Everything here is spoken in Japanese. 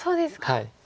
はい。